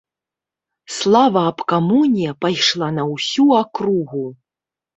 Слава аб камуне пайшла на ўсю акругу.